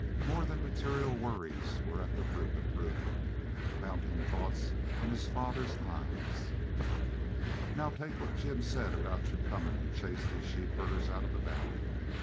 More than material worries were at the root of brooding, mounting thoughts in his father's eyes. "Now next take what Jim said aboot your comin' to chase these sheep herders out of the valley....